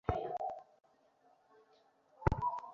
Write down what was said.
গাড়ি কে বা কারা রেখে গেছে কেউ বলতে পারল না সঠিকভাবে।